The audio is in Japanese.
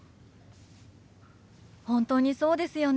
本当にそうですよね。